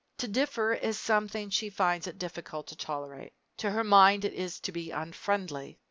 To differ is something she finds it difficult to tolerate. To her mind it is to be unfriendly.